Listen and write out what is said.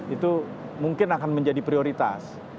itu mungkin akan menjadi prioritas